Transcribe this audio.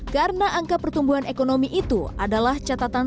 karena angka pertumbuhan ekonomi itu adalah catatan